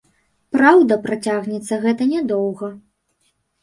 Праўда, працягнецца гэта нядоўга.